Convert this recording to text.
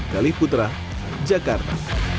dali putra jakarta